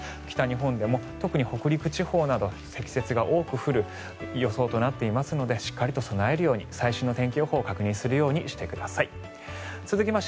北日本でも特に北陸地方など積雪が多くなる予想となっていますのでしっかりと備えるように最新の天気予報を確認するようにしてください。